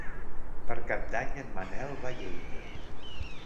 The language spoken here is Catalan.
Per Cap d'Any en Manel va a Lleida.